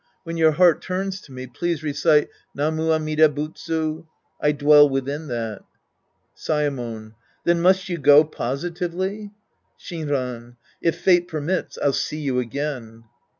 When your heart turns to me, please recite, " Namu Amida Butsu." I dwell within that. Saemon. Then must you go, positively ? Shinran. If fate permits, I'll see you again.